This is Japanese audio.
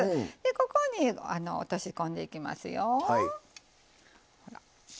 ここに、落とし込んでいきますよ。